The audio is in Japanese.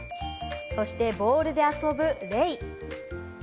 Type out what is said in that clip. そしてボールで遊ぶレイ。